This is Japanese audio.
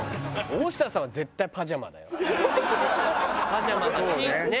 大下さん絶対パジャマ。